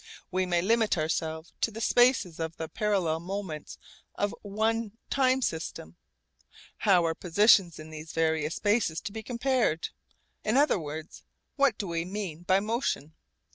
We may limit ourselves to the spaces of the parallel moments of one time system. How are positions in these various spaces to be compared? In other words, What do we mean by motion?